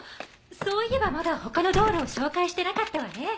そういえばまだ他のドールを紹介してなかったわね。